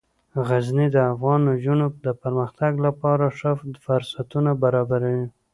غزني د افغان نجونو د پرمختګ لپاره ښه فرصتونه برابروي.